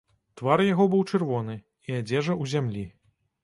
Твар яго быў чырвоны, і адзежа ў зямлі.